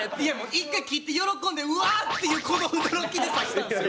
１回切って喜んでうわっていうこの驚きで刺したんですよ。